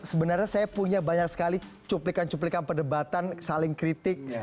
sebenarnya saya punya banyak sekali cuplikan cuplikan perdebatan saling kritik